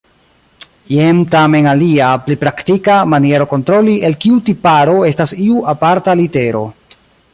Jen tamen alia, pli praktika, maniero kontroli, el kiu tiparo estas iu aparta litero.